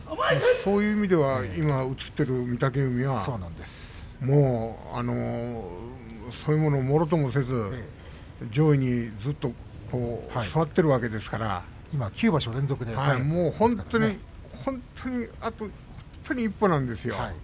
そういう意味では御嶽海はそういうものをもろともせず上位に座っているわけですから本当にあと一歩ですよ